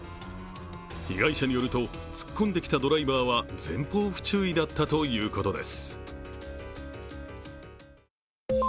被害者によると突っ込んできたドライバーは前方不注意だったということです。